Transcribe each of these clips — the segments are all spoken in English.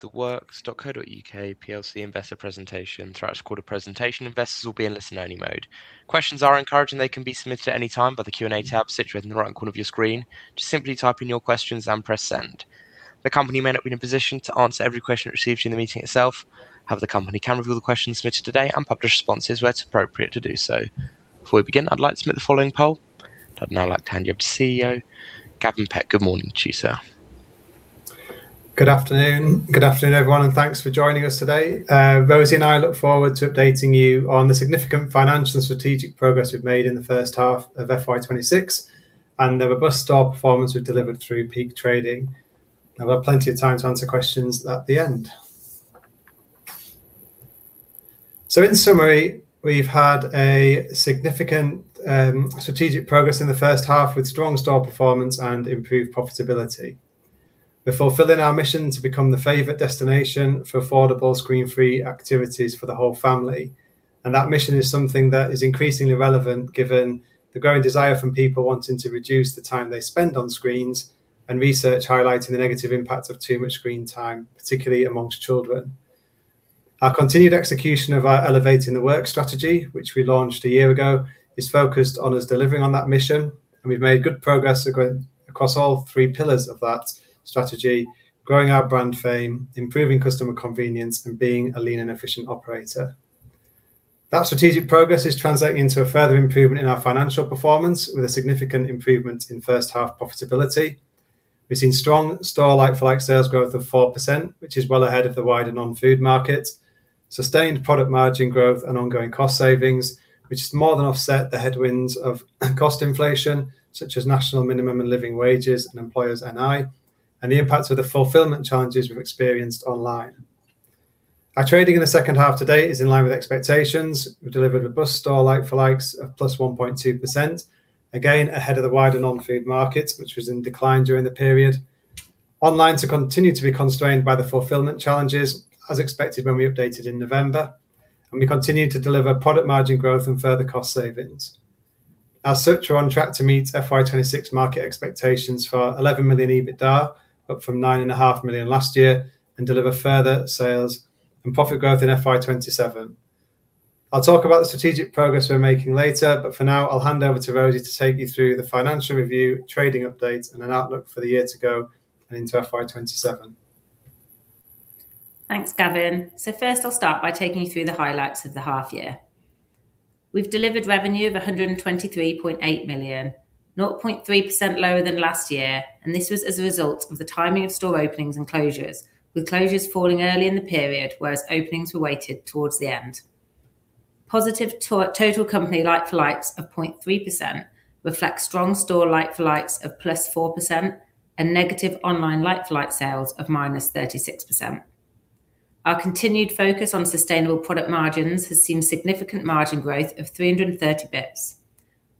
TheWorks.co.uk plc investor presentation. Throughout this quarterly presentation, investors will be in listen-only mode. Questions are encouraged, and they can be submitted at any time by the Q&A tab situated in the right corner of your screen. Just simply type in your questions and press send. The company may not be in a position to answer every question it receives during the meeting itself. However, the company can review the questions submitted today and publish responses where it's appropriate to do so. Before we begin, I'd like to submit the following poll. I'd now like to hand you over to CEO Gavin Peck. Good morning, everyone. Good afternoon. Good afternoon, everyone, and thanks for joining us today. Rosie and I look forward to updating you on the significant financial and strategic progress we've made in the first half of FY 2026 and the robust stock performance we've delivered through peak trading. There will be plenty of time to answer questions at the end. So, in summary, we've had a significant strategic progress in the first half with strong stock performance and improved profitability. We're fulfilling our mission to become the favorite destination for affordable screen-free activities for the whole family. And that mission is something that is increasingly relevant given the growing desire from people wanting to reduce the time they spend on screens and research highlighting the negative impact of too much screen time, particularly amongst children. Our continued execution of our Elevating The Works strategy, which we launched a year ago, is focused on us delivering on that mission, and we've made good progress across all three pillars of that strategy: growing our brand fame, improving customer convenience, and being a lean and efficient operator. That strategic progress is translating into a further improvement in our financial performance, with a significant improvement in first-half profitability. We've seen strong like-for-like sales growth of 4%, which is well ahead of the wider non-food market, sustained product margin growth, and ongoing cost savings, which has more than offset the headwinds of cost inflation, such as National Minimum and Living Wages and Employers' NI, and the impact of the fulfillment challenges we've experienced online. Our trading in the second half today is in line with expectations. We've delivered robust like-for-like of +1.2%, again ahead of the wider non-food markets, which was in decline during the period. Online continues to be constrained by the fulfillment challenges, as expected when we updated in November, and we continue to deliver product margin growth and further cost savings. As such, we're on track to meet FY 2026 market expectations for 11 million EBITDA, up from 9.5 million last year, and deliver further sales and profit growth in FY 2027. I'll talk about the strategic progress we're making later, but for now, I'll hand over to Rosie to take you through the financial review, trading updates, and an outlook for the year to go and into FY 2027. Thanks, Gavin. So first, I'll start by taking you through the highlights of the half year. We've delivered revenue of 123.8 million, 0.3% lower than last year, and this was as a result of the timing of store openings and closures, with closures falling early in the period, whereas openings were weighted towards the end. Positive total company like-for-like of 0.3% reflects strong store like-for-like of plus 4% and negative online like-for-like sales of minus 36%. Our continued focus on sustainable product margins has seen significant margin growth of 330 basis points.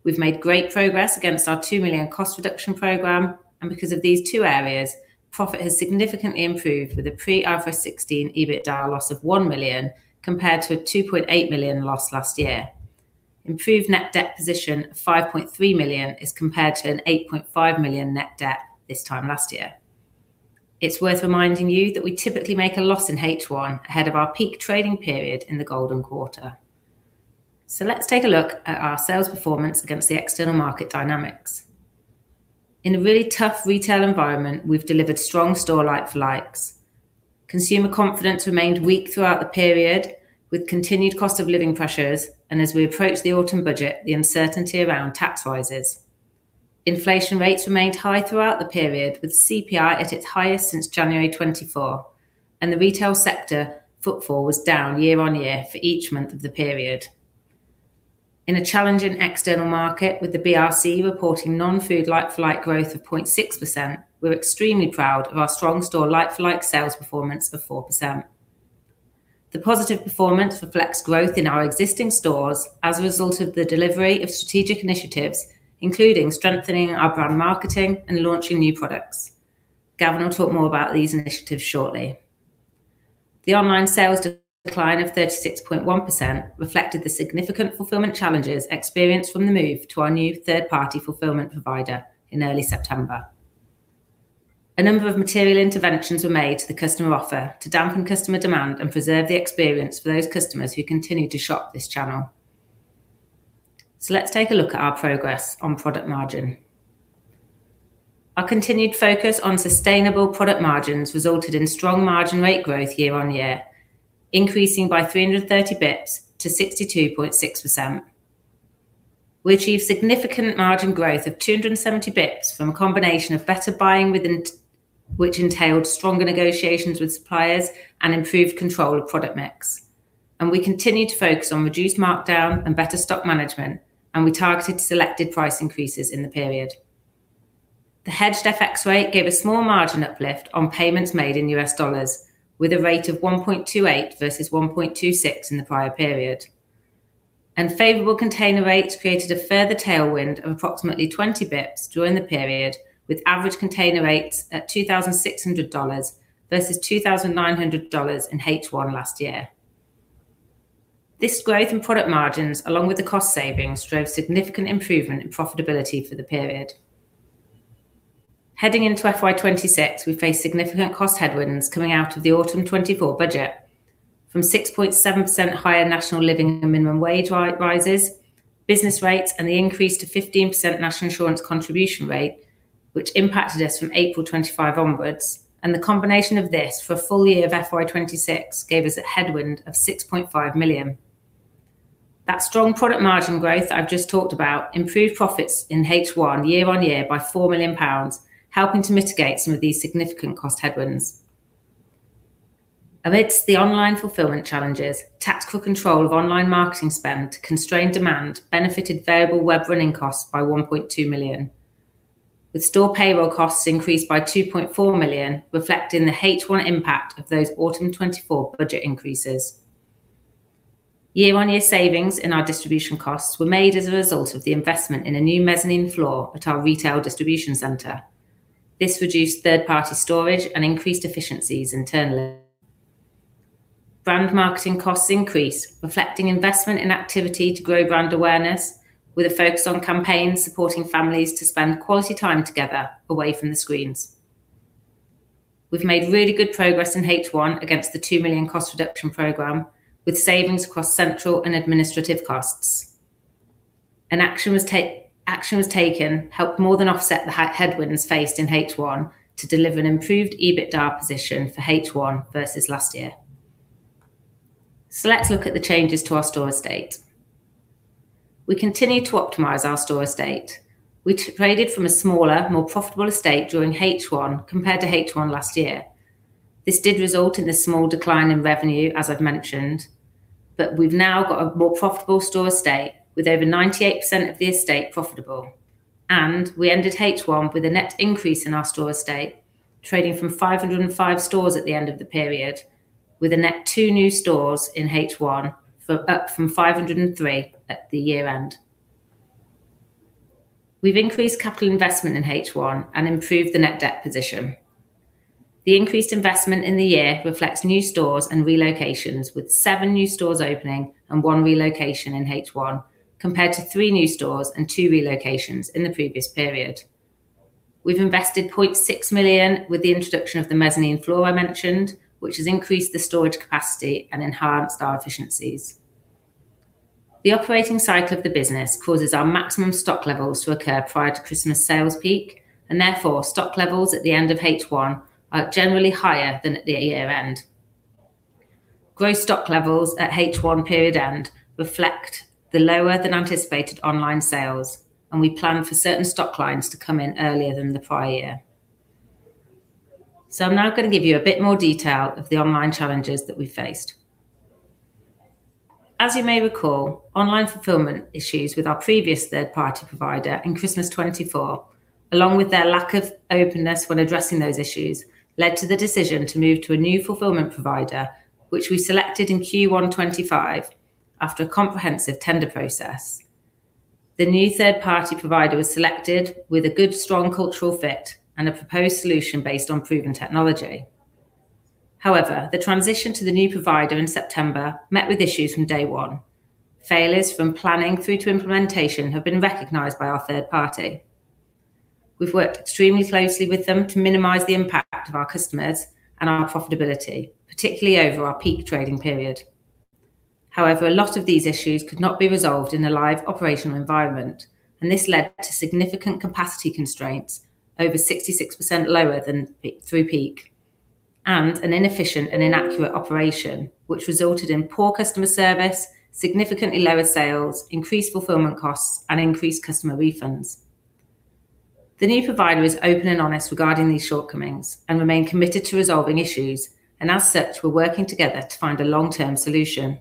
We've made great progress against our 2 million cost reduction program, and because of these two areas, profit has significantly improved with a pre-IFRS 16 EBITDA loss of 1 million compared to a 2.8 million loss last year. Improved net debt position of 5.3 million is compared to an 8.5 million net debt this time last year. It's worth reminding you that we typically make a loss in H1 ahead of our peak trading period in the golden quarter. So let's take a look at our sales performance against the external market dynamics. In a really tough retail environment, we've delivered strong store like-for-like sales. Consumer confidence remained weak throughout the period, with continued cost of living pressures, and as we approach the Autumn Budget, the uncertainty around tax rises. Inflation rates remained high throughout the period, with CPI at its highest since January 2024, and the retail sector footfall was down year on year for each month of the period. In a challenging external market, with the BRC reporting non-food like-for-like growth of 0.6%, we're extremely proud of our strong store like-for-like sales performance of 4%. The positive performance reflects growth in our existing stores as a result of the delivery of strategic initiatives, including strengthening our brand marketing and launching new products. Gavin will talk more about these initiatives shortly. The online sales decline of 36.1% reflected the significant fulfillment challenges experienced from the move to our new third-party fulfillment provider in early September. A number of material interventions were made to the customer offer to dampen customer demand and preserve the experience for those customers who continue to shop this channel, so let's take a look at our progress on product margin. Our continued focus on sustainable product margins resulted in strong margin rate growth year on year, increasing by 330 basis points to 62.6%. We achieved significant margin growth of 270 basis points from a combination of better buying, which entailed stronger negotiations with suppliers and improved control of product mix. We continue to focus on reduced markdown and better stock management, and we targeted selected price increases in the period. The hedged FX rate gave a small margin uplift on payments made in US dollars, with a rate of 1.28 versus 1.26 in the prior period. Favorable container rates created a further tailwind of approximately 20 basis points during the period, with average container rates at $2,600 versus $2,900 in H1 last year. This growth in product margins, along with the cost savings, drove significant improvement in profitability for the period. Heading into FY 2026, we face significant cost headwinds coming out of the Autumn 2024 Budget, from 6.7% higher National Living and Minimum Wage rises, business rates, and the increase to 15% National Insurance contribution rate, which impacted us from April 2025 onwards. The combination of this for a full year of FY 2026 gave us a headwind of 6.5 million. That strong product margin growth that I've just talked about improved profits in H1 year on year by 4 million pounds, helping to mitigate some of these significant cost headwinds. Amidst the online fulfillment challenges, tactical control of online marketing spend to constrain demand benefited variable web running costs by 1.2 million, with store payroll costs increased by 2.4 million, reflecting the H1 impact of those Autumn 2024 Budget increases. Year-on-year savings in our distribution costs were made as a result of the investment in a new mezzanine floor at our retail distribution center. This reduced third-party storage and increased efficiencies internally. Brand marketing costs increased, reflecting investment in activity to grow brand awareness, with a focus on campaigns supporting families to spend quality time together away from the screens. We've made really good progress in H1 against the 2 million cost reduction program, with savings across central and administrative costs. And action was taken helped more than offset the headwinds faced in H1 to deliver an improved EBITDA position for H1 versus last year. So let's look at the changes to our store estate. We continue to optimize our store estate. We traded from a smaller, more profitable estate during H1 compared to H1 last year. This did result in a small decline in revenue, as I've mentioned, but we've now got a more profitable store estate with over 98% of the estate profitable. And we ended H1 with a net increase in our store estate, trading from 505 stores at the end of the period, with a net two new stores in H1 up from 503 at the year-end. We've increased capital investment in H1 and improved the net debt position. The increased investment in the year reflects new stores and relocations, with seven new stores opening and one relocation in H1 compared to three new stores and two relocations in the previous period. We've invested 0.6 million with the introduction of the mezzanine floor I mentioned, which has increased the storage capacity and enhanced our efficiencies. The operating cycle of the business causes our maximum stock levels to occur prior to Christmas sales peak, and therefore stock levels at the end of H1 are generally higher than at the year-end. Gross stock levels at H1 period end reflect the lower-than-anticipated online sales, and we plan for certain stock lines to come in earlier than the prior year. So I'm now going to give you a bit more detail of the online challenges that we faced. As you may recall, online fulfillment issues with our previous third-party provider in Christmas 2024, along with their lack of openness when addressing those issues, led to the decision to move to a new fulfillment provider, which we selected in Q1 2025 after a comprehensive tender process. The new third-party provider was selected with a good, strong cultural fit and a proposed solution based on proven technology. However, the transition to the new provider in September met with issues from day one. Failures from planning through to implementation have been recognized by our third party. We've worked extremely closely with them to minimize the impact of our customers and our profitability, particularly over our peak trading period. However, a lot of these issues could not be resolved in a live operational environment, and this led to significant capacity constraints, over 66% lower than through peak, and an inefficient and inaccurate operation, which resulted in poor customer service, significantly lower sales, increased fulfillment costs, and increased customer refunds. The new provider is open and honest regarding these shortcomings and remains committed to resolving issues, and as such, we're working together to find a long-term solution.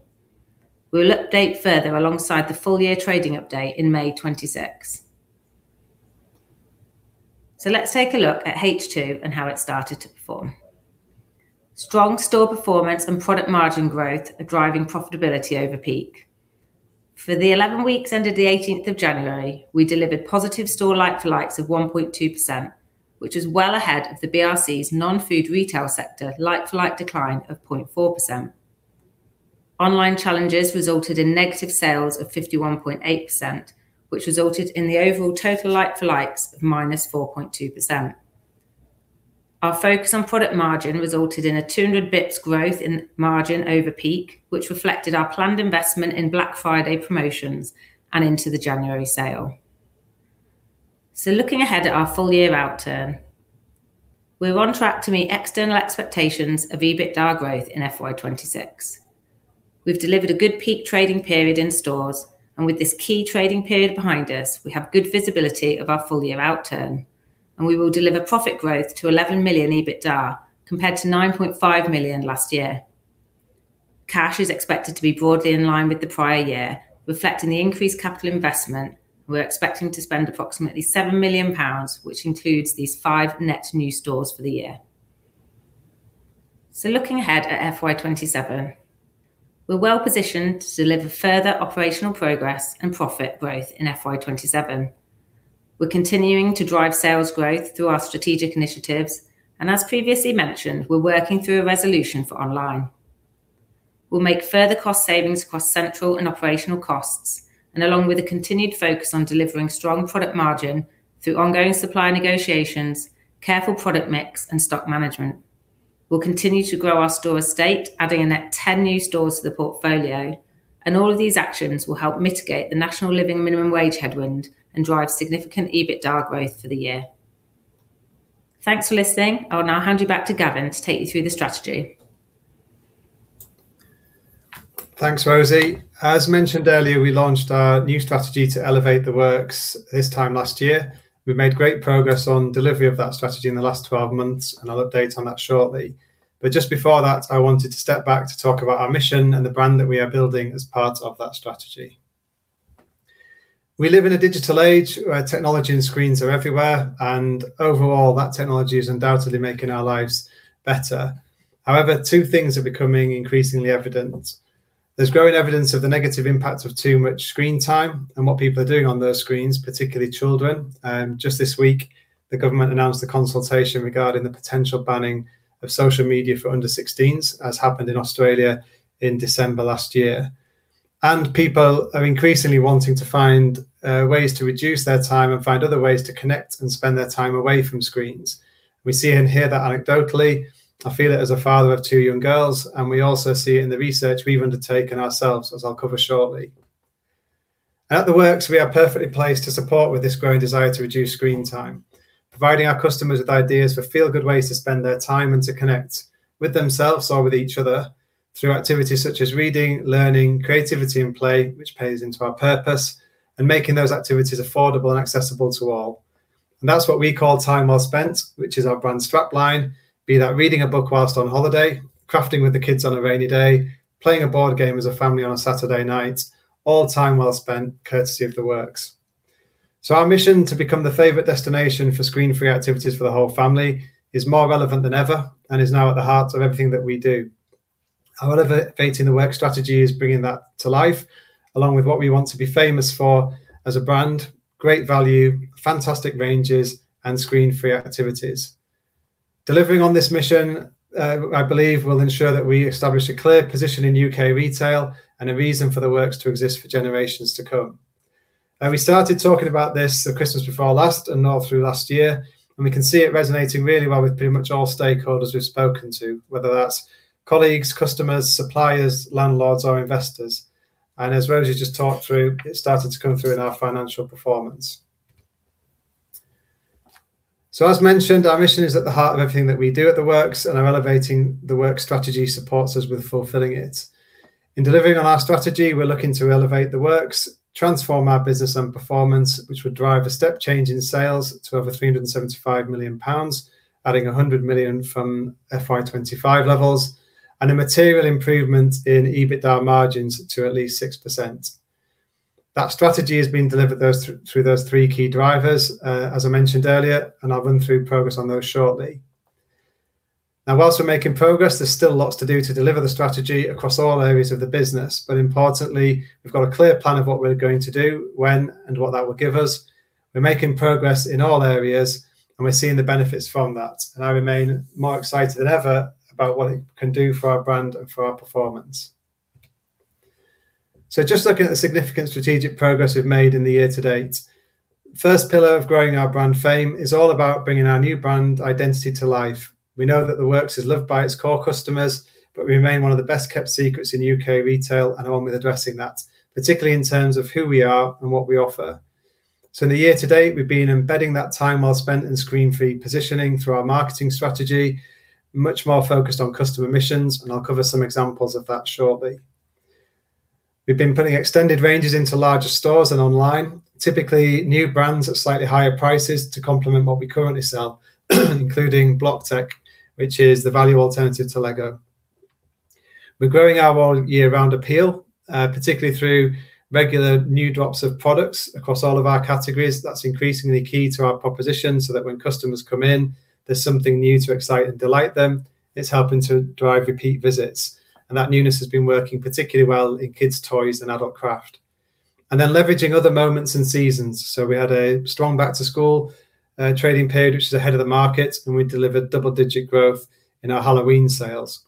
We'll update further alongside the full-year trading update in May 2026. So let's take a look at H2 and how it started to perform. Strong store performance and product margin growth are driving profitability over peak. For the 11 weeks ended the 18th of January, we delivered positive store like-for-likes of 1.2%, which was well ahead of the BRC's non-food retail sector like-for-like decline of 0.4%. Online challenges resulted in negative sales of -51.8%, which resulted in the overall total like-for-like of -4.2%. Our focus on product margin resulted in a 200 basis points growth in margin over peak, which reflected our planned investment in Black Friday promotions and into the January sale. So looking ahead at our full-year outturn, we're on track to meet external expectations of EBITDA growth in FY 2026. We've delivered a good peak trading period in stores, and with this key trading period behind us, we have good visibility of our full-year outturn, and we will deliver profit growth to 11 million EBITDA compared to 9.5 million last year. Cash is expected to be broadly in line with the prior year, reflecting the increased capital investment, and we're expecting to spend approximately 7 million pounds, which includes these five net new stores for the year. Looking ahead at FY 2027, we're well positioned to deliver further operational progress and profit growth in FY 2027. We're continuing to drive sales growth through our strategic initiatives, and as previously mentioned, we're working through a resolution for online. We'll make further cost savings across central and operational costs, and along with a continued focus on delivering strong product margin through ongoing supply negotiations, careful product mix, and stock management. We'll continue to grow our store estate, adding a net 10 new stores to the portfolio, and all of these actions will help mitigate the National Living and Minimum Wage headwind and drive significant EBITDA growth for the year. Thanks for listening. I'll now hand you back to Gavin to take you through the strategy. Thanks, Rosie. As mentioned earlier, we launched our new strategy to elevate The Works this time last year. We've made great progress on delivery of that strategy in the last 12 months, and I'll update on that shortly. But just before that, I wanted to step back to talk about our mission and the brand that we are building as part of that strategy. We live in a digital age where technology and screens are everywhere, and overall, that technology is undoubtedly making our lives better. However, two things are becoming increasingly evident. There's growing evidence of the negative impact of too much screen time and what people are doing on those screens, particularly children. Just this week, the government announced a consultation regarding the potential banning of social media for under 16s, as happened in Australia in December last year. People are increasingly wanting to find ways to reduce their time and find other ways to connect and spend their time away from screens. We see and hear that anecdotally. I feel it as a father of two young girls, and we also see it in the research we've undertaken ourselves, as I'll cover shortly. At The Works, we are perfectly placed to support with this growing desire to reduce screen time, providing our customers with ideas for feel-good ways to spend their time and to connect with themselves or with each other through activities such as reading, learning, creativity, and play, which plays into our purpose, and making those activities affordable and accessible to all. That's what we call time well spent, which is our brand strapline, be that reading a book while on holiday, crafting with the kids on a rainy day, playing a board game as a family on a Saturday night, all time well spent courtesy of the Works. Our mission to become the favorite destination for screen-free activities for the whole family is more relevant than ever and is now at the heart of everything that we do. Our Elevate in The Works strategy is bringing that to life, along with what we want to be famous for as a brand: great value, fantastic ranges, and screen-free activities. Delivering on this mission, I believe, will ensure that we establish a clear position in UK retail and a reason for the Works to exist for generations to come. We started talking about this at Christmas before last and all through last year, and we can see it resonating really well with pretty much all stakeholders we've spoken to, whether that's colleagues, customers, suppliers, landlords, or investors. And as Rosie just talked through, it started to come through in our financial performance. So, as mentioned, our mission is at the heart of everything that we do at The Works, and our Elevate in The Works strategy supports us with fulfilling it. In delivering on our strategy, we're looking to elevate The Works, transform our business and performance, which would drive a step change in sales to over 375 million pounds, adding 100 million from FY 2025 levels, and a material improvement in EBITDA margins to at least 6%. That strategy has been delivered through those three key drivers, as I mentioned earlier, and I'll run through progress on those shortly. Now, while we're making progress, there's still lots to do to deliver the strategy across all areas of the business, but importantly, we've got a clear plan of what we're going to do, when, and what that will give us. We're making progress in all areas, and we're seeing the benefits from that, and I remain more excited than ever about what it can do for our brand and for our performance. So, just looking at the significant strategic progress we've made in the year-to-date, the first pillar of growing our brand fame is all about bringing our new brand identity to life. We know that The Works is loved by its core customers, but we remain one of the best-kept secrets in UK retail, and I'm bent on addressing that, particularly in terms of who we are and what we offer. So, in the year-to-date, we've been embedding that time well spent in screen-free positioning through our marketing strategy, much more focused on customer missions, and I'll cover some examples of that shortly. We've been putting extended ranges into larger stores and online, typically new brands at slightly higher prices to complement what we currently sell, including Block Tech, which is the value alternative to LEGO. We're growing our world year-round appeal, particularly through regular new drops of products across all of our categories. That's increasingly key to our proposition so that when customers come in, there's something new to excite and delight them. It's helping to drive repeat visits, and that newness has been working particularly well in kids' toys and adult craft. And then leveraging other moments and seasons. So, we had a strong back-to-school trading period, which is ahead of the market, and we delivered double-digit growth in our Halloween sales.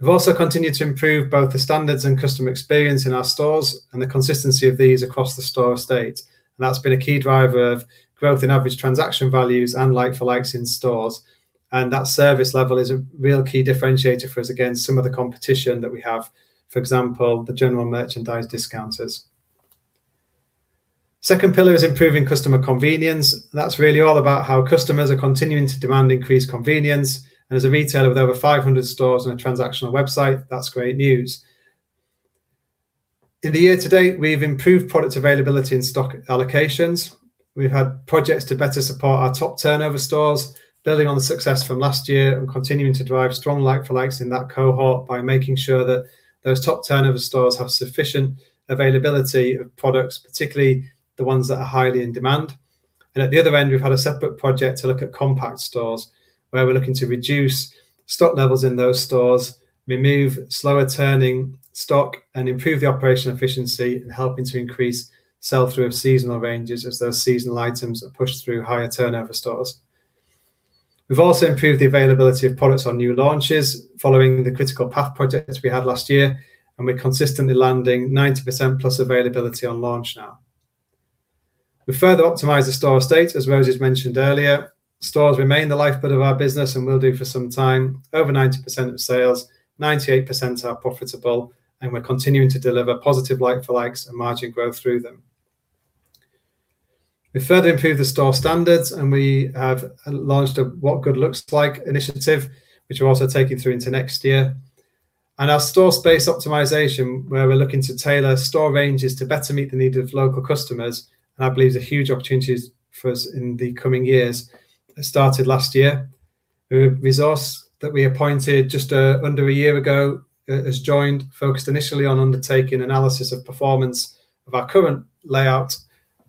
We've also continued to improve both the standards and customer experience in our stores and the consistency of these across the store estate. And that's been a key driver of growth in average transaction values and like-for-likes in stores. And that service level is a real key differentiator for us against some of the competition that we have, for example, the general merchandise discounters. The second pillar is improving customer convenience. That's really all about how customers are continuing to demand increased convenience. And as a retailer with over 500 stores and a transactional website, that's great news. In the year-to-date, we've improved product availability and stock allocations. We've had projects to better support our top turnover stores, building on the success from last year and continuing to drive strong like-for-likes in that cohort by making sure that those top turnover stores have sufficient availability of products, particularly the ones that are highly in demand, and at the other end, we've had a separate project to look at compact stores where we're looking to reduce stock levels in those stores, remove slower turning stock, and improve the operational efficiency and helping to increase sell-through of seasonal ranges as those seasonal items are pushed through higher turnover stores. We've also improved the availability of products on new launches following the critical path projects we had last year, and we're consistently landing 90% plus availability on launch now. We've further optimized the store estate, as Rosie's mentioned earlier. Stores remain the lifeblood of our business and will do for some time. Over 90% of sales, 98% are profitable, and we're continuing to deliver positive like-for-like and margin growth through them. We've further improved the store standards, and we have launched a What Good Looks Like initiative, which we're also taking through into next year. Our store space optimization, where we're looking to tailor store ranges to better meet the needs of local customers, and I believe there's a huge opportunity for us in the coming years. It started last year. A resource that we appointed just under a year ago has joined, focused initially on undertaking analysis of performance of our current layout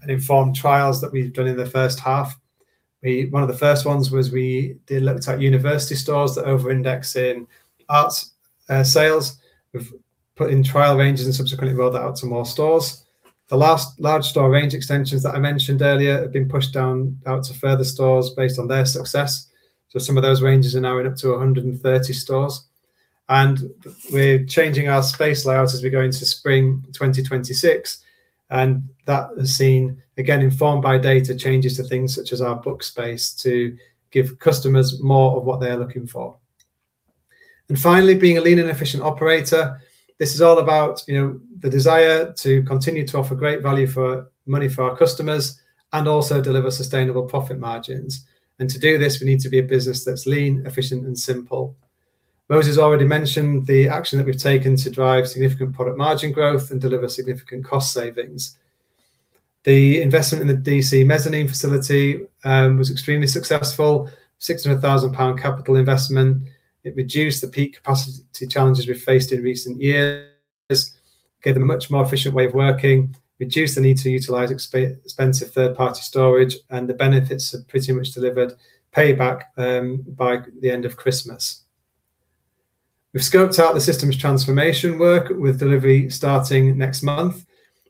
and informed trials that we've done in the first half. One of the first ones was we looked at university stores that over-index in art sales. We've put in trial ranges and subsequently rolled that out to more stores. The last large store range extensions that I mentioned earlier have been pushed down out to further stores based on their success, so some of those ranges are now in up to 130 stores, and we're changing our space layout as we go into spring 2026, and that has seen, again, informed by data changes to things such as our book space to give customers more of what they are looking for, and finally, being a lean and efficient operator, this is all about the desire to continue to offer great value for money for our customers and also deliver sustainable profit margins, and to do this, we need to be a business that's lean, efficient, and simple. Rosie's already mentioned the action that we've taken to drive significant product margin growth and deliver significant cost savings. The investment in the DC Mezzanine facility was extremely successful, 600,000 pound capital investment. It reduced the peak capacity challenges we've faced in recent years, gave them a much more efficient way of working, reduced the need to utilize expensive third-party storage, and the benefits have pretty much delivered payback by the end of Christmas. We've scoped out the systems transformation work with delivery starting next month.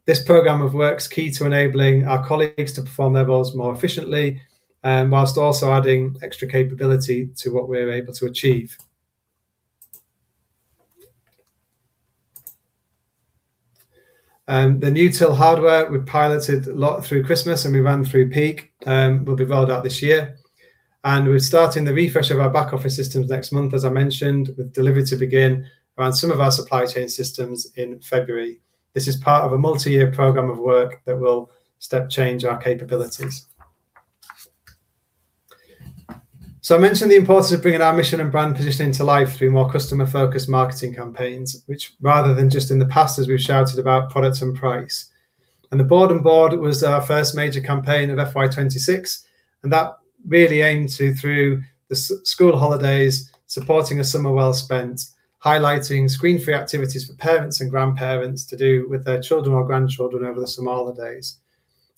This program of works is key to enabling our colleagues to perform their roles more efficiently, while also adding extra capability to what we're able to achieve. The new till hardware we piloted through Christmas and we ran through peak will be rolled out this year. We're starting the refresh of our back-office systems next month, as I mentioned, with delivery to begin around some of our supply chain systems in February. This is part of a multi-year program of work that will step change our capabilities. I mentioned the importance of bringing our mission and brand positioning to life through more customer-focused marketing campaigns, which, rather than just in the past, as we've shouted about products and price. The Boredom Board was our first major campaign of FY 2026, and that really aimed to, through the school holidays, support a summer well spent, highlighting screen-free activities for parents and grandparents to do with their children or grandchildren over the summer holidays.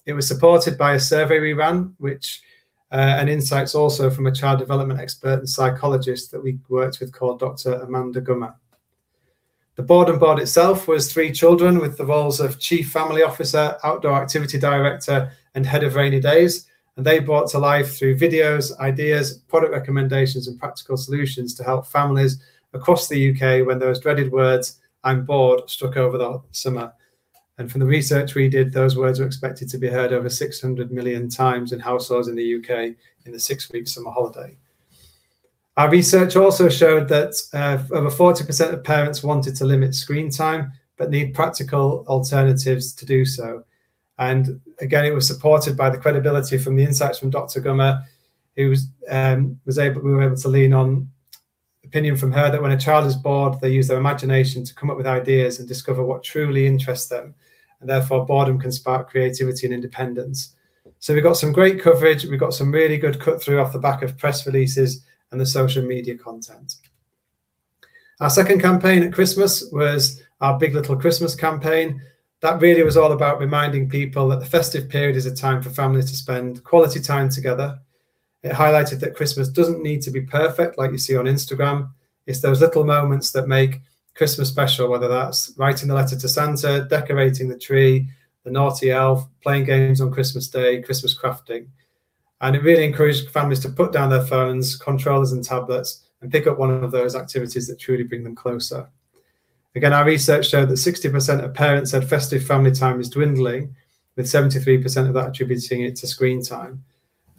It was supported by a survey we ran, which, and insights also from a child development expert and psychologist that we worked with called Dr. Amanda Gummer. The Boredom Board itself was three children with the roles of Chief Family Officer, Outdoor Activity Director, and Head of Rainy Days, and they brought to life through videos, ideas, product recommendations, and practical solutions to help families across the U.K. when those dreaded words, "I'm bored," struck over the summer. And from the research we did, those words were expected to be heard over 600 million times in households in the U.K. in the six-week summer holiday. Our research also showed that over 40% of parents wanted to limit screen time but need practical alternatives to do so. And again, it was supported by the credibility from the insights from Dr. Gummer, who was able to lean on opinion from her that when a child is bored, they use their imagination to come up with ideas and discover what truly interests them, and therefore boredom can spark creativity and independence. So, we got some great coverage. We got some really good cut-through off the back of press releases and the social media content. Our second campaign at Christmas was our Big Little Christmas campaign. That really was all about reminding people that the festive period is a time for families to spend quality time together. It highlighted that Christmas doesn't need to be perfect like you see on Instagram. It's those little moments that make Christmas special, whether that's writing a letter to Santa, decorating the tree, the naughty elf, playing games on Christmas Day, Christmas crafting. It really encouraged families to put down their phones, controllers, and tablets, and pick up one of those activities that truly bring them closer. Again, our research showed that 60% of parents said festive family time is dwindling, with 73% of that attributing it to screen time.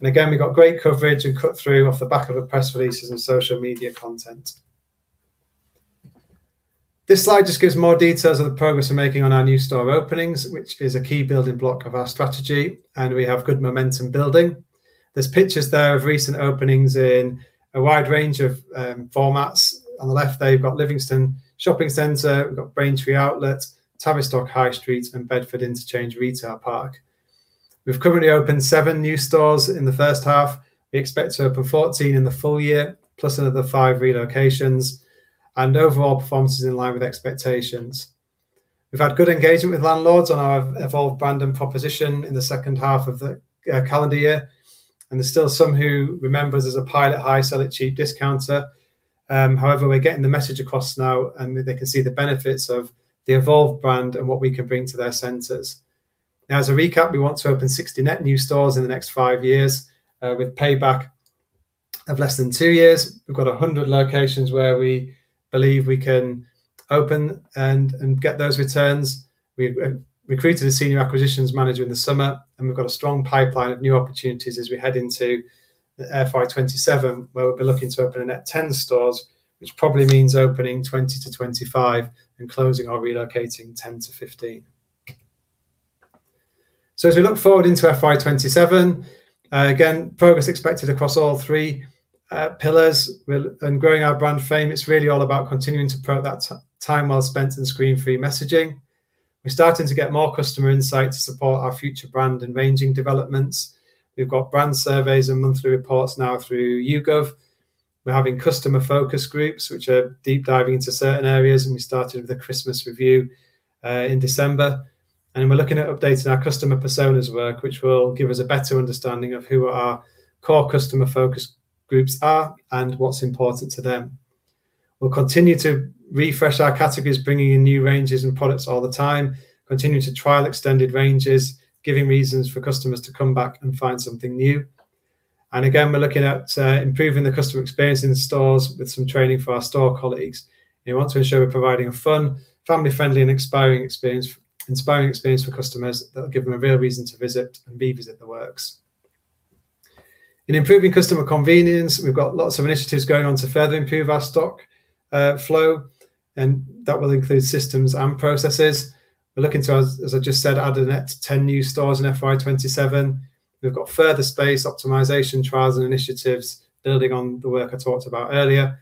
Again, we got great coverage and cut-through off the back of the press releases and social media content. This slide just gives more details of the progress we're making on our new store openings, which is a key building block of our strategy, and we have good momentum building. There's pictures there of recent openings in a wide range of formats. On the left, they've got Livingston Shopping Centre, we've got Braintree Outlet, Tavistock High Street, and Bedford Interchange Retail Park. We've currently opened seven new stores in the first half. We expect to open 14 in the full year, plus another five relocations, and overall performance is in line with expectations. We've had good engagement with landlords on our Evolve Brand and Proposition in the second half of the calendar year, and there's still some who remember us as a pile-it-high, sell-it-cheap discounter. However, we're getting the message across now, and they can see the benefits of the Evolve brand and what we can bring to their centers. Now, as a recap, we want to open 60 net new stores in the next five years with payback of less than two years. We've got 100 locations where we believe we can open and get those returns. We've recruited a senior acquisitions manager in the summer, and we've got a strong pipeline of new opportunities as we head into FY 2027, where we'll be looking to open a net 10 stores, which probably means opening 20 to 25 and closing or relocating 10 to 15. So, as we look forward into FY 2027, again, progress expected across all three pillars. In growing our brand fame, it's really all about continuing to promote that time well spent in screen-free messaging. We're starting to get more customer insight to support our future brand and ranging developments. We've got brand surveys and monthly reports now through YouGov. We're having customer focus groups, which are deep-diving into certain areas, and we started with a Christmas review in December. We're looking at updating our customer personas work, which will give us a better understanding of who our core customer focus groups are and what's important to them. We'll continue to refresh our categories, bringing in new ranges and products all the time, continuing to trial extended ranges, giving reasons for customers to come back and find something new. Again, we're looking at improving the customer experience in the stores with some training for our store colleagues. We want to ensure we're providing a fun, family-friendly, and inspiring experience for customers that will give them a real reason to visit and revisit the Works. In improving customer convenience, we've got lots of initiatives going on to further improve our stock flow, and that will include systems and processes. We're looking to, as I just said, add a net 10 new stores in FY 2027. We've got further space optimization trials and initiatives building on the work I talked about earlier.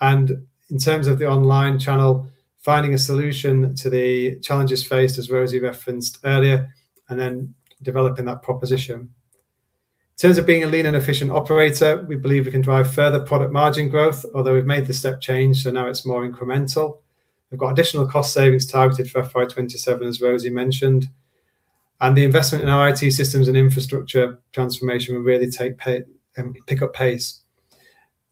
And in terms of the online channel, finding a solution to the challenges faced, as Rosie referenced earlier, and then developing that proposition. In terms of being a lean and efficient operator, we believe we can drive further product margin growth, although we've made the step change, so now it's more incremental. We've got additional cost savings targeted for FY 2027, as Rosie mentioned. And the investment in our IT systems and infrastructure transformation will really pick up pace.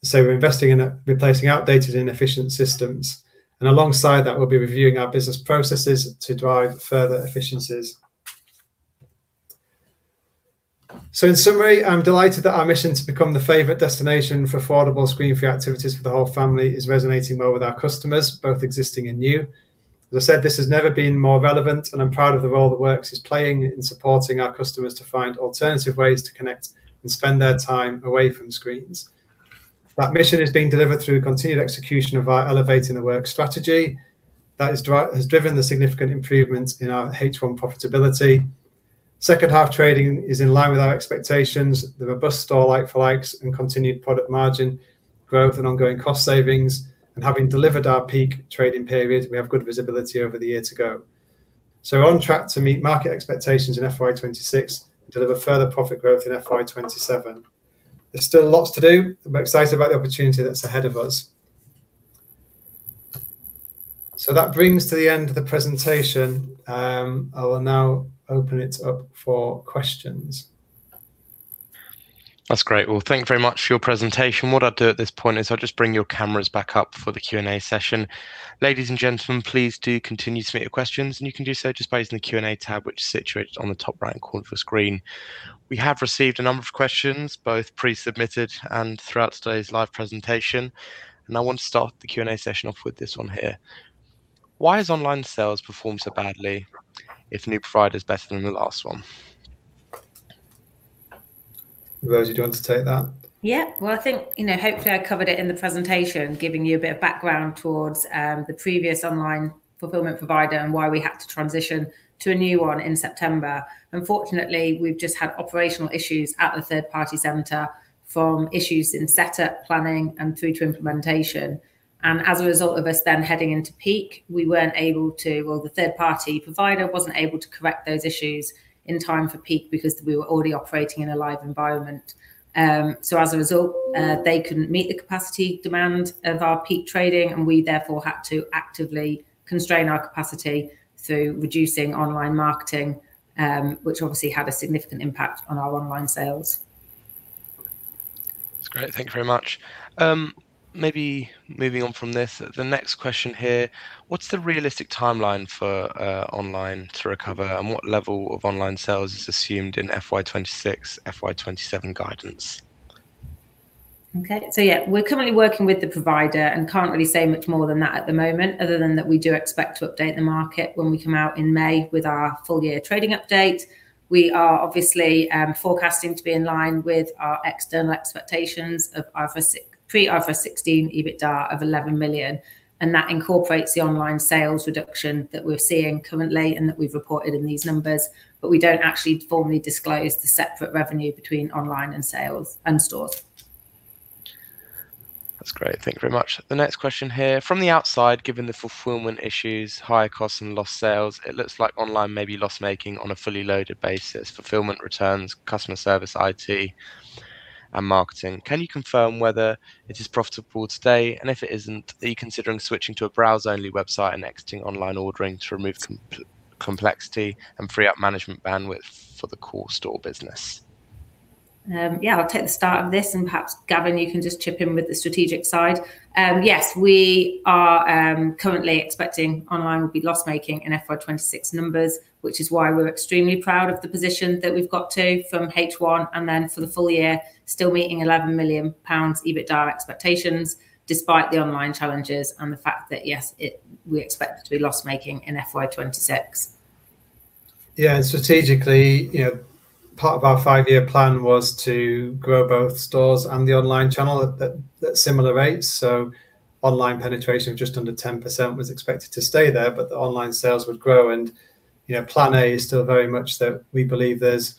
So, we're investing in replacing outdated and inefficient systems. And alongside that, we'll be reviewing our business processes to drive further efficiencies. So, in summary, I'm delighted that our mission to become the favorite destination for affordable screen-free activities for the whole family is resonating well with our customers, both existing and new. As I said, this has never been more relevant, and I'm proud of the role The Works is playing in supporting our customers to find alternative ways to connect and spend their time away from screens. That mission is being delivered through continued execution of our Elevate in the Works strategy that has driven the significant improvements in our H1 profitability. Second half trading is in line with our expectations, the robust store like-for-likes and continued product margin growth and ongoing cost savings, and having delivered our peak trading period, we have good visibility over the year to go. So, we're on track to meet market expectations in FY 2026 and deliver further profit growth in FY 2027. There's still lots to do, and we're excited about the opportunity that's ahead of us. So, that brings to the end of the presentation. I will now open it up for questions. That's great. Well, thank you very much for your presentation. What I'll do at this point is I'll just bring your cameras back up for the Q&A session. Ladies and gentlemen, please do continue to submit your questions, and you can do so just by using the Q&A tab, which is situated on the top right corner of your screen. We have received a number of questions, both pre-submitted and throughout today's live presentation. And I want to start the Q&A session off with this one here. Why has online sales performed so badly if new provider is better than the last one? Rosie, do you want to take that? Yeah. Well, I think, you know, hopefully I covered it in the presentation, giving you a bit of background towards the previous online fulfillment provider and why we had to transition to a new one in September. Unfortunately, we've just had operational issues at the third-party center from issues in setup, planning, and through to implementation. And as a result of us then heading into peak, we weren't able to, well, the third-party provider wasn't able to correct those issues in time for peak because we were already operating in a live environment. So, as a result, they couldn't meet the capacity demand of our peak trading, and we therefore had to actively constrain our capacity through reducing online marketing, which obviously had a significant impact on our online sales. That's great. Thank you very much. Maybe moving on from this, the next question here, what's the realistic timeline for online to recover, and what level of online sales is assumed in FY 2026, FY 2027 guidance? Okay, so, yeah, we're currently working with the provider and can't really say much more than that at the moment, other than that we do expect to update the market when we come out in May with our full-year trading update. We are obviously forecasting to be in line with our external expectations of our pre-IFRS 16 EBITDA of 11 million, and that incorporates the online sales reduction that we're seeing currently and that we've reported in these numbers, but we don't actually formally disclose the separate revenue between online and sales and stores. That's great. Thank you very much. The next question here. From the outside, given the fulfillment issues, higher costs, and lost sales, it looks like online may be loss-making on a fully loaded basis: fulfillment returns, customer service, IT, and marketing. Can you confirm whether it is profitable today? And if it isn't, are you considering switching to a browser-only website and exiting online ordering to remove complexity and free up management bandwidth for the core store business? Yeah, I'll take the start of this, and perhaps Gavin, you can just chip in with the strategic side. Yes, we are currently expecting online will be loss-making in FY 2026 numbers, which is why we're extremely proud of the position that we've got to from H1, and then for the full year, still meeting 11 million pounds EBITDA expectations despite the online challenges and the fact that, yes, we expect to be loss-making in FY 2026. Yeah, and strategically, you know, part of our five-year plan was to grow both stores and the online channel at similar rates. So, online penetration of just under 10% was expected to stay there, but the online sales would grow. And, you know, plan A is still very much that we believe there's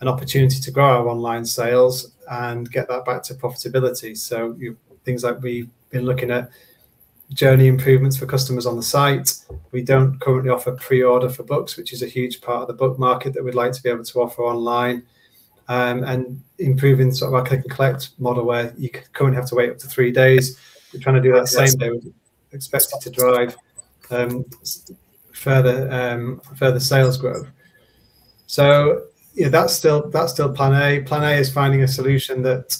an opportunity to grow our online sales and get that back to profitability. So, things like we've been looking at journey improvements for customers on the site. We don't currently offer pre-order for books, which is a huge part of the book market that we'd like to be able to offer online. And improving sort of our click-and-collect model where you currently have to wait up to three days. We're trying to do that same way. We expect it to drive further sales growth. So, you know, that's still plan A. Plan A is finding a solution that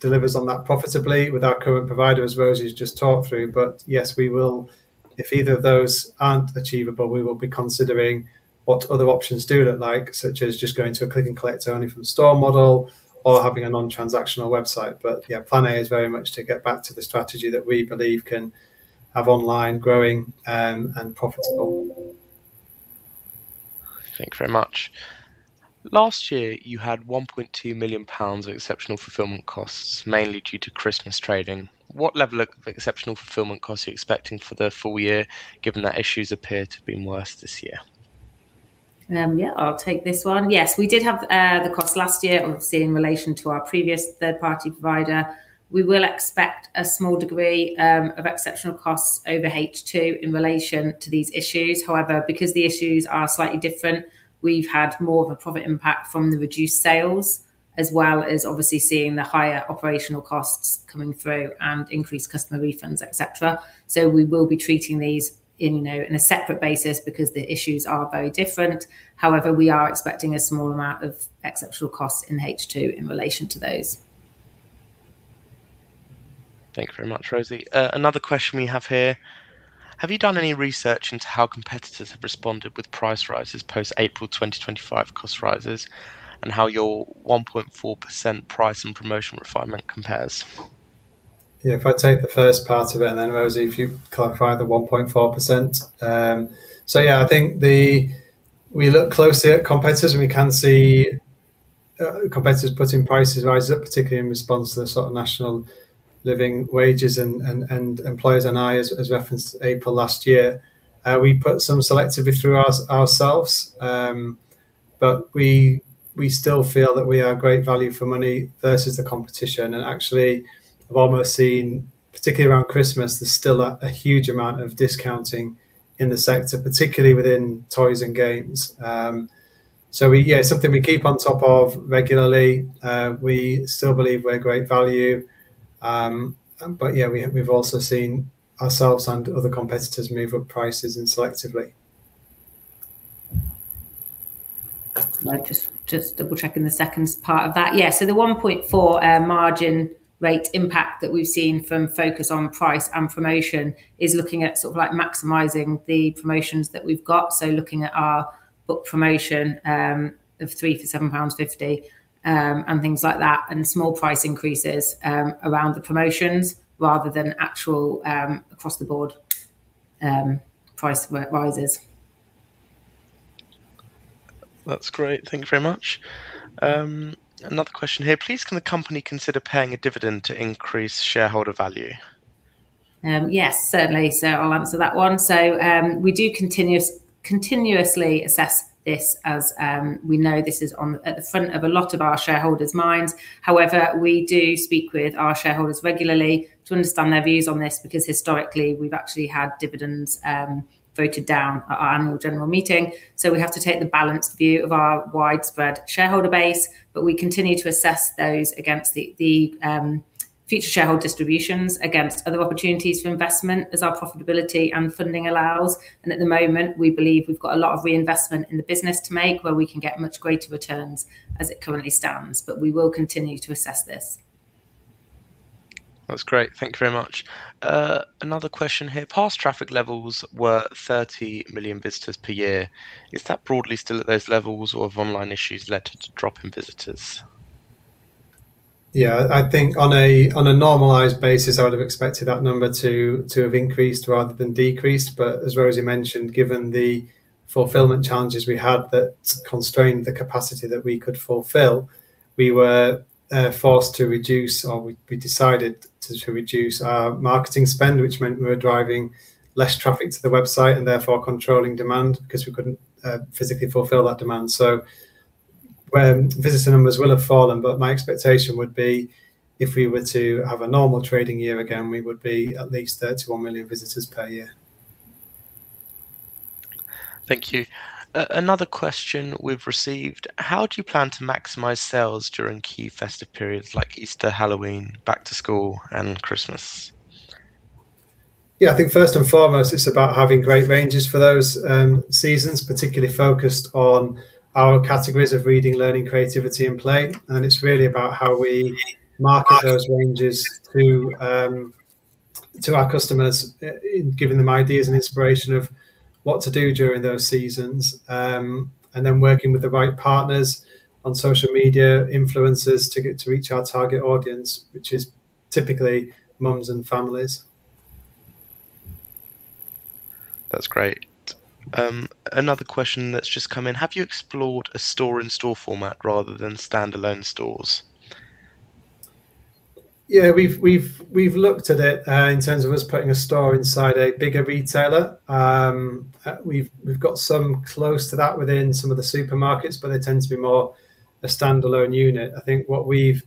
delivers on that profitably with our current provider, as Rosie has just talked through. But yes, we will, if either of those aren't achievable, we will be considering what other options do look like, such as just going to a click-and-collect only from store model or having a non-transactional website. But yeah, plan A is very much to get back to the strategy that we believe can have online growing and profitable. Thank you very much. Last year, you had 1.2 million pounds of exceptional fulfillment costs, mainly due to Christmas trading. What level of exceptional fulfillment costs are you expecting for the full year, given that issues appear to be worse this year? Yeah, I'll take this one. Yes, we did have the costs last year, obviously in relation to our previous third-party provider. We will expect a small degree of exceptional costs over H2 in relation to these issues. However, because the issues are slightly different, we've had more of a profit impact from the reduced sales, as well as obviously seeing the higher operational costs coming through and increased customer refunds, etc. So, we will be treating these on a separate basis because the issues are very different. However, we are expecting a small amount of exceptional costs in H2 in relation to those. Thank you very much, Rosie. Another question we have here. Have you done any research into how competitors have responded with price rises post-April 2025 cost rises and how your 1.4% price and promotion refinement compares? Yeah, if I take the first part of it, and then Rosie, if you clari FY the 1.4%. So, yeah, I think we look closely at competitors, and we can see competitors putting prices rising, particularly in response to the sort of National Living Wage and employers' NI, as referenced in April last year. We put some selectively, too, ourselves, but we still feel that we are great value for money versus the competition. And actually, I've also seen, particularly around Christmas, there's still a huge amount of discounting in the sector, particularly within toys and games. So, yeah, it's something we keep on top of regularly. We still believe we're great value. But yeah, we've also seen ourselves and other competitors move up prices selectively. Just double-checking the second part of that. Yeah, so the 1.4 margin rate impact that we've seen from focus on price and promotion is looking at sort of like maximizing the promotions that we've got. So, looking at our book promotion of 3 for 7.50 pounds and things like that, and small price increases around the promotions rather than actual across-the-board price rises. That's great. Thank you very much. Another question here. Please, can the company consider paying a dividend to increase shareholder value? Yes, certainly. So, I'll answer that one. So, we do continuously assess this as we know this is at the front of a lot of our shareholders' minds. However, we do speak with our shareholders regularly to understand their views on this because historically, we've actually had dividends voted down at our annual general meeting. So, we have to take the balanced view of our widespread shareholder base, but we continue to assess those against the future shareholder distributions against other opportunities for investment as our profitability and funding allows. And at the moment, we believe we've got a lot of reinvestment in the business to make where we can get much greater returns as it currently stands, but we will continue to assess this. That's great. Thank you very much. Another question here. Past traffic levels were 30 million visitors per year. Is that broadly still at those levels, or have online issues led to drop in visitors? Yeah, I think on a normalized basis, I would have expected that number to have increased rather than decreased, but as Rosie mentioned, given the fulfillment challenges we had that constrained the capacity that we could fulfill, we were forced to reduce, or we decided to reduce our marketing spend, which meant we were driving less traffic to the website and therefore controlling demand because we couldn't physically fulfill that demand, so visitor numbers will have fallen, but my expectation would be if we were to have a normal trading year again, we would be at least 31 million visitors per year. Thank you. Another question we've received. How do you plan to maximize sales during key festive periods like Easter, Halloween, back to school, and Christmas? Yeah, I think first and foremost, it's about having great ranges for those seasons, particularly focused on our categories of reading, learning, creativity, and play, and it's really about how we market those ranges to our customers, giving them ideas and inspiration of what to do during those seasons, and then working with the right partners on social media influencers to reach our target audience, which is typically moms and families. That's great. Another question that's just come in. Have you explored a store-in-store format rather than standalone stores? Yeah, we've looked at it in terms of us putting a store inside a bigger retailer. We've got some close to that within some of the supermarkets, but they tend to be more a standalone unit. I think what we've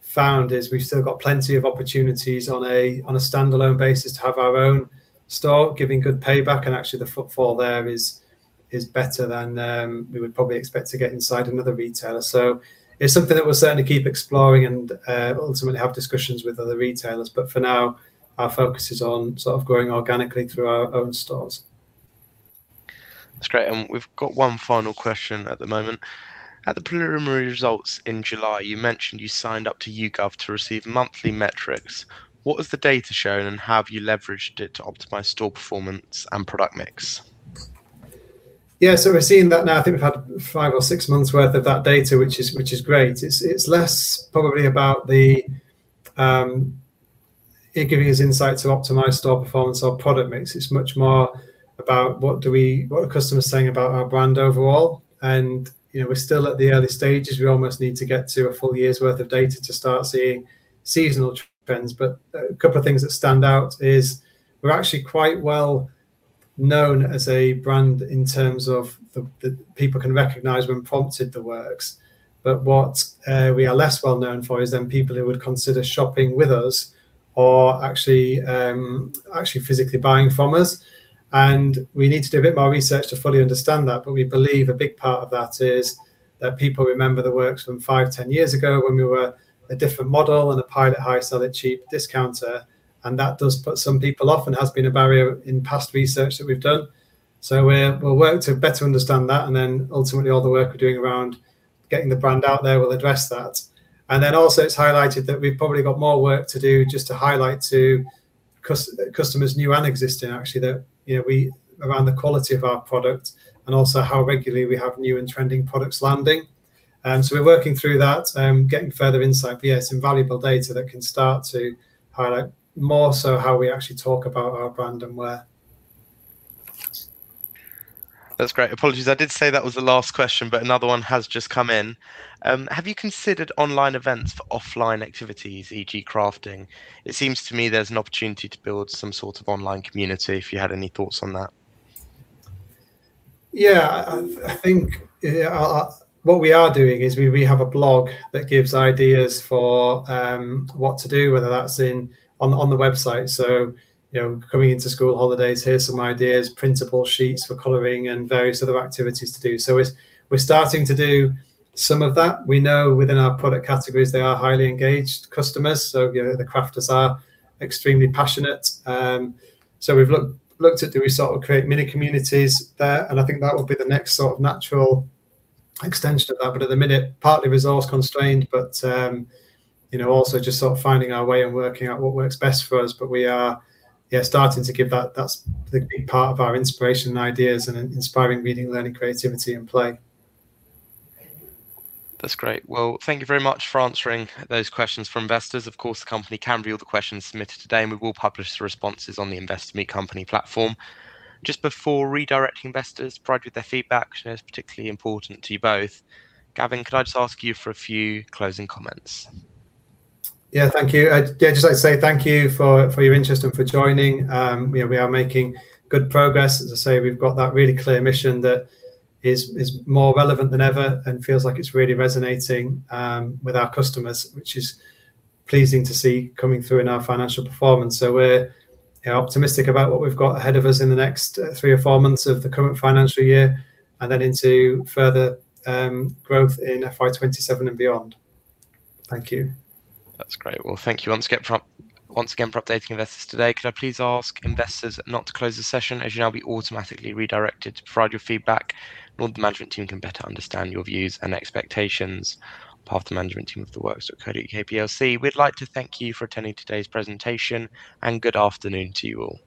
found is we've still got plenty of opportunities on a standalone basis to have our own store, giving good payback, and actually the footfall there is better than we would probably expect to get inside another retailer. So, it's something that we'll certainly keep exploring and ultimately have discussions with other retailers. But for now, our focus is on sort of growing organically through our own stores. That's great. And we've got one final question at the moment. At the preliminary results in July, you mentioned you signed up to YouGov to receive monthly metrics. What has the data shown, and have you leveraged it to optimize store performance and product mix? Yeah, so we're seeing that now. I think we've had five or six months' worth of that data, which is great. It's less probably about it giving us insight to optimize store performance or product mix. It's much more about what are customers saying about our brand overall, and we're still at the early stages. We almost need to get to a full year's worth of data to start seeing seasonal trends, but a couple of things that stand out is we're actually quite well known as a brand in terms of people can recognize when prompted The Works, but what we are less well known for is then people who would consider shopping with us or actually physically buying from us. We need to do a bit more research to fully understand that, but we believe a big part of that is that people remember the Works from five, ten years ago when we were a different model and a pile it high, sell it cheap discounter. And that does put some people off and has been a barrier in past research that we've done. So, we'll work to better understand that, and then ultimately all the work we're doing around getting the brand out there will address that. And then also, it's highlighted that we've probably got more work to do just to highlight to customers, new and existing, actually, that around the quality of our product and also how regularly we have new and trending products landing. So, we're working through that, getting further insight. But yeah, it's invaluable data that can start to highlight more so how we actually talk about our brand and where. That's great. Apologies. I did say that was the last question, but another one has just come in. Have you considered online events for offline activities, e.g., crafting? It seems to me there's an opportunity to build some sort of online community if you had any thoughts on that. Yeah, I think what we are doing is we have a blog that gives ideas for what to do, whether that's on the website, so coming into school holidays, here's some ideas, printable sheets for coloring and various other activities to do, so we're starting to do some of that. We know within our product categories they are highly engaged customers, so the crafters are extremely passionate, so we've looked at do we sort of create mini communities there, and I think that will be the next sort of natural extension of that, but at the minute, partly resource constrained, but also just sort of finding our way and working out what works best for us, but we are starting to give that. That's the big part of our inspiration and ideas and inspiring reading, learning, creativity, and play. That's great. Well, thank you very much for answering those questions for investors. Of course, the company can view the questions submitted today, and we will publish the responses on the Investor Meet Company platform. Just before redirecting investors provide with their feedback, it's particularly important to you both. Gavin, could I just ask you for a few closing comments? Yeah, thank you. Yeah, I'd just like to say thank you for your interest and for joining. We are making good progress. As I say, we've got that really clear mission that is more relevant than ever and feels like it's really resonating with our customers, which is pleasing to see coming through in our financial performance. So, we're optimistic about what we've got ahead of us in the next three or four months of the current financial year and then into further growth in FY 2027 and beyond. Thank you. That's great. Well, thank you once again for updating investors today. Could I please ask investors not to close the session as you now be automatically redirected to provide your feedback? The management team can better understand your views and expectations. Path to management team of TheWorks.co.uk PLC. We'd like to thank you for attending today's presentation, and good afternoon to you all.